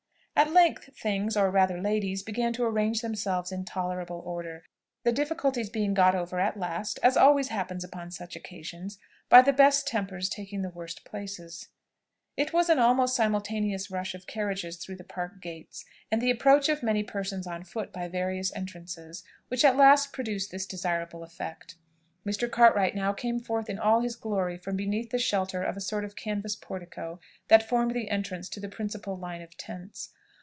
At length things, or rather ladies, began to arrange themselves in tolerable order, the difficulty being got over at last, as always happens upon such occasions, by the best tempers taking the worst places. It was an almost simultaneous rush of carriages through the Park Gates, and the approach of many persons on foot by various entrances, which at last produced this desirable effect. Mr. Cartwright now came forth in all his glory from beneath the shelter of a sort of canvass portico that formed the entrance to the principal line of tents.